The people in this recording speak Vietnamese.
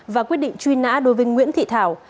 và quyết định truy nã đối với nguyễn thị thảo